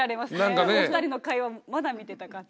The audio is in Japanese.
お二人の会話まだ見てたかった。